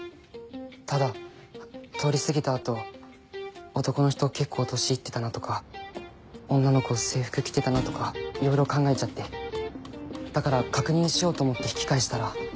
ただ通り過ぎた後男の人結構年行ってたなとか女の子制服着てたなとかいろいろ考えちゃってだから確認しようと思って引き返したら。